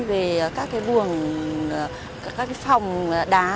về các cái vùng các cái phòng đá